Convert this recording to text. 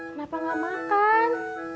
kenapa enggak makan